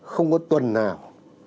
không có tuần nào